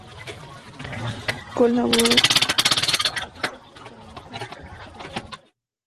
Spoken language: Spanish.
Colaboró con la revista falangista "Destino".